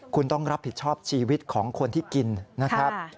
คุณต้องรับผิดชอบชีวิตของคนที่กินนะครับ